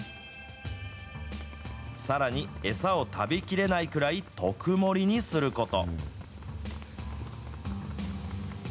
さらに、餌を食べきれないくらい特盛りにすること。